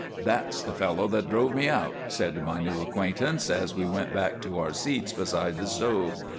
"That's the fellow that drove me out," said my new acquaintance as we went back to our seats beside the stove.